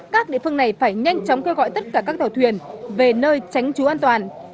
các địa phương này phải nhanh chóng kêu gọi tất cả các tàu thuyền về nơi tránh trú an toàn